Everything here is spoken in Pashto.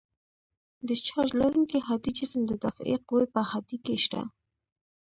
د چارج لرونکي هادي جسم د دافعې قوه په هادې کې شته.